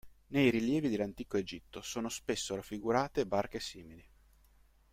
Nei rilievi dell'Antico Egitto sono spesso raffigurate barche simili.